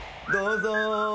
どうぞ。